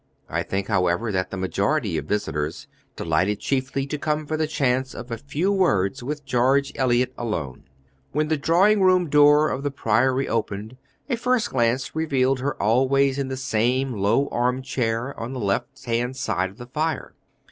I think, however, that the majority of visitors delighted chiefly to come for the chance of a few words with George Eliot alone. When the drawing room door of the Priory opened, a first glance revealed her always in the same low arm chair on the left hand side of the fire.